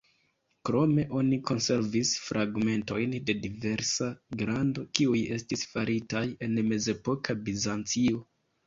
Krome, oni konservis fragmentojn de diversa grando, kiuj estis faritaj en mezepoka Bizancio.